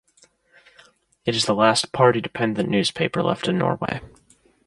It is the last party-dependent newspaper left in Norway.